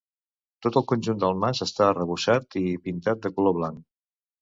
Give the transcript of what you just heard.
Tot el conjunt del mas està arrebossat i pintat de color blanc.